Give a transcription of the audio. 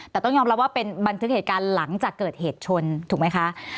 แต่ต้องยอมรับว่าเป็นบันทึกเหตุการณ์หลังจากเกิดเหตุชนถูกไหมคะ